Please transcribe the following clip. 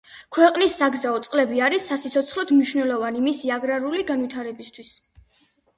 ქვეყნის საგზაო წყლები არის სასიცოცხლოდ მნიშვნელოვანი მისი აგრარული განვითარებისთვის.